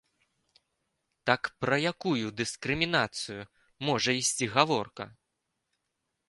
Так пра якую дыскрымінацыі можа ісці гаворка?